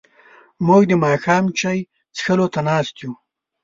موږ د ماښام چای څښلو ته ناست یو.